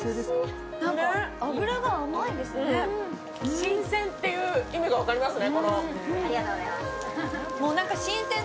新鮮っていう意味が分かりますね。